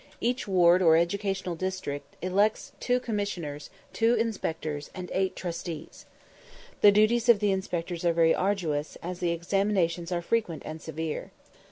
Each ward, or educational district, elects 2 commissioners, 2 inspectors, and 8 trustees. The duties of the inspectors are very arduous, as the examinations are frequent and severe.